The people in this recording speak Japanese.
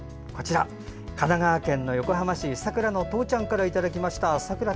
神奈川県横浜市さくらのとうちゃんからいただきました。